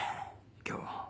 今日。